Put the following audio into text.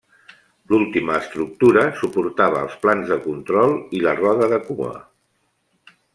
L'última estructura suportava els plans de control i la roda de cua.